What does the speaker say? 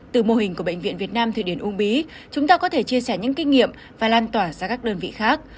từ mô hình của bệnh viện việt nam thụy điển uông bí chúng ta có thể chia sẻ những kinh nghiệm và lan tỏa ra các đơn vị khác